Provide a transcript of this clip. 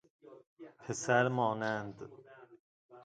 پسرمانند